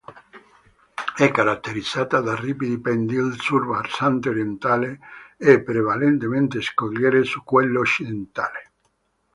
È caratterizzata da ripidi pendii sul versante orientale e prevalentemente scogliere su quello occidentale.